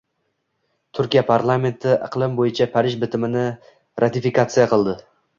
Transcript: Turkiya parlamenti Iqlim bo‘yicha Parij bitimini ratifikatsiya qildi